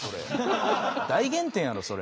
大減点やろそれ。